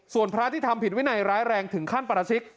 ส่วนพระที่ทำผิดวินัยร้ายแรงถึงขั้นประชิก